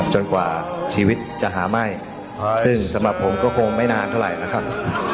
กว่าชีวิตจะหาไหม้ซึ่งสำหรับผมก็คงไม่นานเท่าไหร่นะครับ